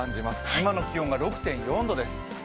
今の気温が６．４度です。